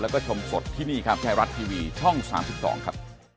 ขอบคุณครับขอบคุณครับ